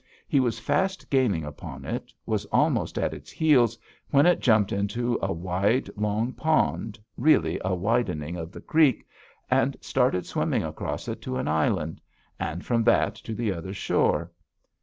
He was fast gaining upon it, was almost at its heels, when it jumped into a wide, long pond, really a widening of the creek, and started swimming across it to an island, and from that to the other shore.